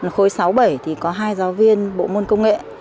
khối sáu bảy thì có hai giáo viên bộ môn công nghệ